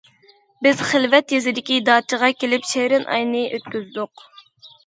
بىز خىلۋەت يېزىدىكى داچىغا كېلىپ شېرىن ئاينى ئۆتكۈزدۇق.